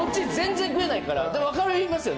分かりますよね？